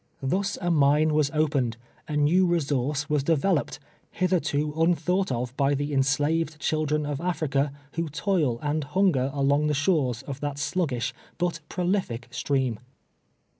Tlius a mine was opened — a new resource was developed, hitherto un thought of by the enslaved children of Africa, who toil and hunger along the shores of that sluggish, but prolific stream.